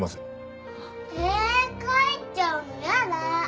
ええ帰っちゃうの嫌だ！